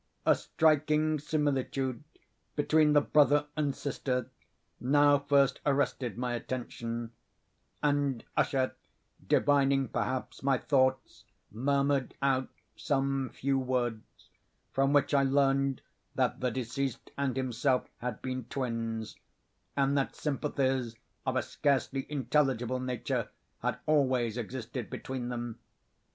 A striking similitude between the brother and sister now first arrested my attention; and Usher, divining, perhaps, my thoughts, murmured out some few words from which I learned that the deceased and himself had been twins, and that sympathies of a scarcely intelligible nature had always existed between them.